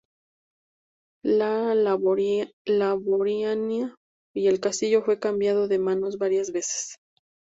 La baronía y el castillo fue cambiando de manos varias veces más.